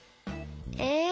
え